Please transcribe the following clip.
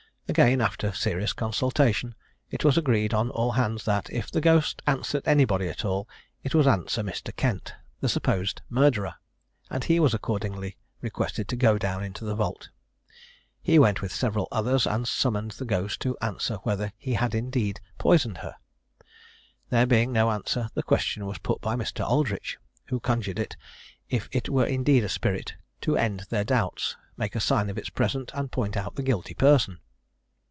Again, after a serious consultation, it was agreed on all hands that, if the ghost answered anybody at all, it would answer Mr. Kent, the supposed murderer; and he was accordingly requested to go down into the vault. He went with several others, and summoned the ghost to answer whether he had indeed poisoned her. There being no answer, the question was put by Mr. Aldritch, who conjured it, if it were indeed a spirit, to end their doubts make a sign of its presence, and point out the guilty person.